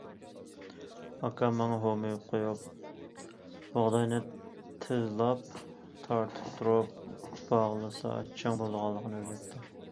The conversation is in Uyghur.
ئاكام ماڭا ھومىيىپ قويۇپ، بۇغداينى تىزلاپ، تارتىپ تۇرۇپ باغلىسا چىڭ بولىدىغانلىقىنى ئۆگەتتى.